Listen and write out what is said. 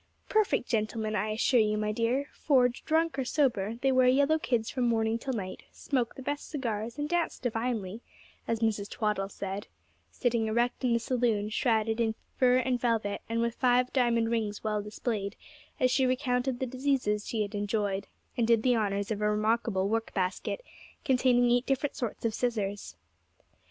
'Perfect gentlemen, I assure you, my dear; for, drunk or sober, they wear yellow kids from morning till night, smoke the best cigars, and dance divinely,' as Mrs. Twaddle said, sitting erect in the saloon, shrouded in fur and velvet, with five diamond rings well displayed, as she recounted the diseases she had enjoyed, and did the honours of a remarkable work basket, containing eight different sorts of scissors.